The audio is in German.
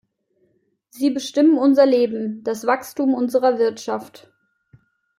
Sie bestimmen unser Leben, das Wachstum unserer Wirtschaft.